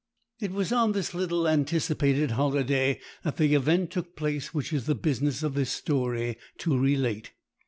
It was on this little anticipated holiday that the event took place which it is the business of this story to relate.